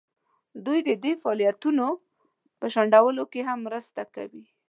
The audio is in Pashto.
دوی د دې فعالیتونو په شنډولو کې هم مرسته کوي.